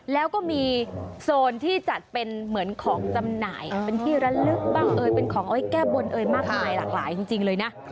แล้วก็มีโซนที่จัดเป็นเหมือนของจำหน่ายเป็นที่ระลึกบ้างเอ่ยเป็นของเอาไว้แก้บนเอ่ยมากมายหลากหลายจริงเลยนะ